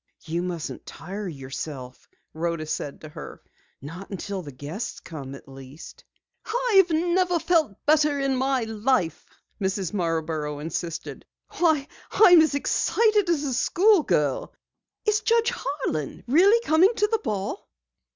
"You mustn't tire yourself," Rhoda said to her. "Not until the guests come, at least." "I never felt better in my life," Mrs. Marborough insisted. "Why, I'm as excited as a school girl! Is Judge Harlan really coming to the ball?"